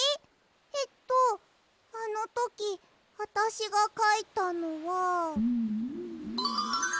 えっとあのときあたしがかいたのは。